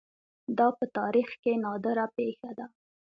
دا په تاریخ کې نادره پېښه ده